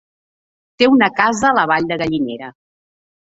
Té una casa a la Vall de Gallinera.